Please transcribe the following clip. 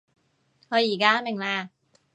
我而家明喇